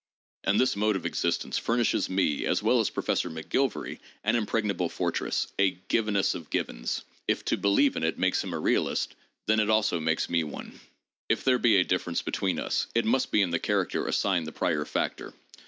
And this mode of existence furnishes me as well as Pro fessor McGilvary an impregnable fortress, a "givenest of givens." If to believe in it makes him a realist, then it also makes me one. If there be a difference between us, it must be in the character assigned the prior factor.